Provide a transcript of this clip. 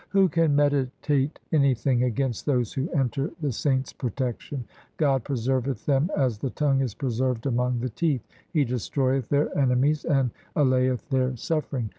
Who can meditate anything against those who enter the Saint's protection ? God preserveth them as the tongue is preserved among the teeth ; He destroyeth their enemies and allayeth their suffering.